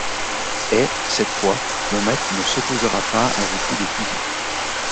Et, cette fois, mon maître ne s’opposera pas à vos coups de fusil.